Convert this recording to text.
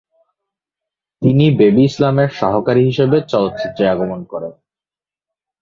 তিনি বেবী ইসলামের সহকারী হিসেবে চলচ্চিত্রে আগমন করেন।